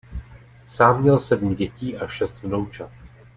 Sám měl sedm dětí a šest vnoučat.